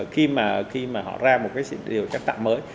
khi mà họ ra một cái sự điều trách tạo mới